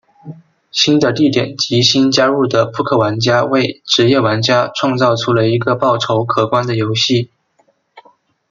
新的地点及新加入的扑克玩家为职业玩家创造出了一个报酬可观的游戏。